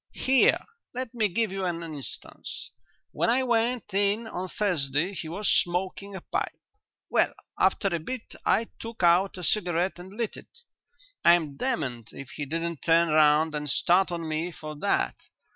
Here, let me give you an instance. When I went in on Thursday he was smoking a pipe. Well, after a bit I took out a cigarette and lit it. I'm damned if he didn't turn round and start on me for that.